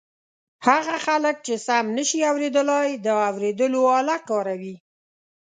هغه خلک چې سم نشي اورېدلای د اوریدلو آله کاروي.